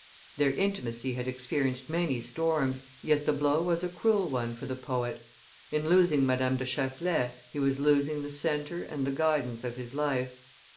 Their intimacy had experienced many storms, yet the blow was a cruel one for the poet; in losing Madame de Chatelet he was losing the centre and the guidance of his life.